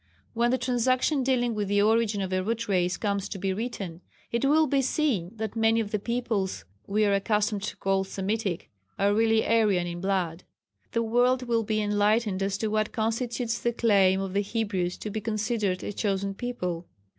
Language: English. When the Transaction dealing with the origin of a Root Race comes to be written, it will be seen that many of the peoples we are accustomed to call Semitic are really Aryan in blood. The world will also be enlightened as to what constitutes the claim of the Hebrews to be considered a "chosen people."